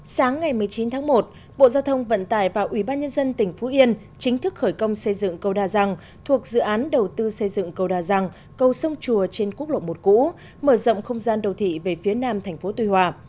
sáng ngày một mươi chín tháng một bộ giao thông vận tải và ủy ban nhân dân tỉnh phú yên chính thức khởi công xây dựng cầu đà răng thuộc dự án đầu tư xây dựng cầu đà răng cầu sông chùa trên quốc lộ một cũ mở rộng không gian đầu thị về phía nam thành phố tuy hòa